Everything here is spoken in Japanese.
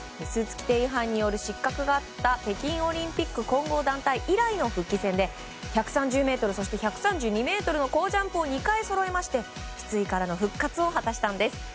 スーツ規定違反による失格があった北京オリンピック混合団体以来の復帰戦で１３０ｍそして１３２ｍの好ジャンプを２回そろえまして失意からの復活を果たしたんです。